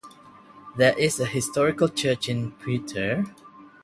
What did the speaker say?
There is a historical church in Putre.